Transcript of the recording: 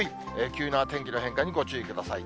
急な天気の変化にご注意ください。